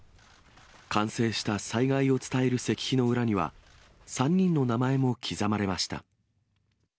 完成した災害を伝える石碑の裏には、３人の名前も刻まれました。